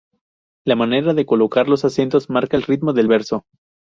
La manera de colocar los acentos marca el ritmo del verso.